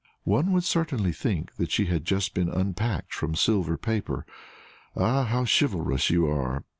"One would certainly think that she had just been unpacked from silver paper. Ah, how chivalrous you are!"